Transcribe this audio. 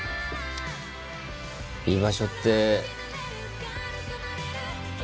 居場所って。